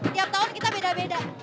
tiap tahun kita beda beda